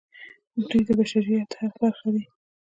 دوی د بشریت برخه دي.